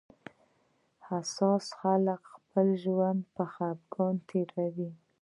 حساس خلک خپل ژوند په خپګان تېروي